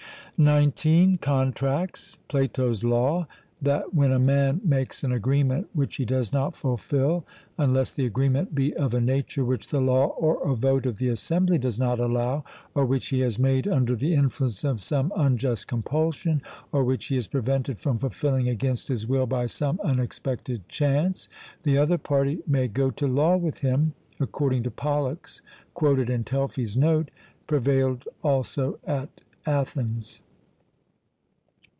(19) Contracts. Plato's law that 'when a man makes an agreement which he does not fulfil, unless the agreement be of a nature which the law or a vote of the assembly does not allow, or which he has made under the influence of some unjust compulsion, or which he is prevented from fulfilling against his will by some unexpected chance, the other party may go to law with him,' according to Pollux (quoted in Telfy's note) prevailed also at Athens.